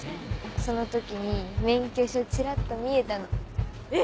その時に免許証チラっと見えたの。え！